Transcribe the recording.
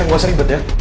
nggak usah ribet ya